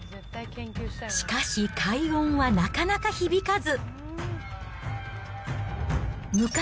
しかし、快音はなかなか響かず。